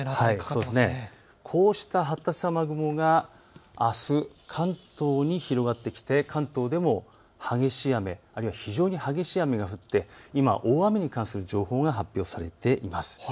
こうした発達した雨雲があす関東に広がってきて関東でも激しい雨、あるいは非常に激しい雨が降って今、大雨に関する情報が発表されています。